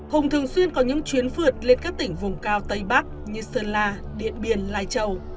hùng thường xuyên có những chuyến phượt lên các tỉnh vùng cao tây bắc như sơn la điện biên lai châu